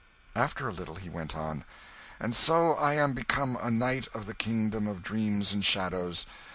After a little, he went on, "And so I am become a knight of the Kingdom of Dreams and Shadows!